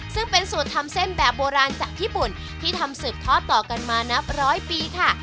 ซึ่งเป็นสูตรทำเส้นแบบโบราณจากญี่ปุ่นที่ทำสืบทอดต่อกันมานับร้อยปีค่ะ